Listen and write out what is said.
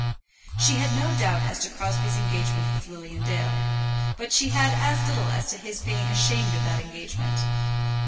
She had no doubt as to Crosbie's engagement with Lilian Dale, but she had as little as to his being ashamed of that engagement.